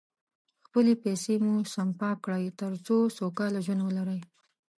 خپلې پیسې مو سپما کړئ، تر څو سوکاله ژوند ولرئ.